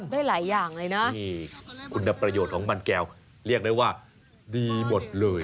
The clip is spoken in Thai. ได้อย่างนี้กันคุณภาพประโยชน์ของมันแก้วเรียกได้ว่าดีหมดเลย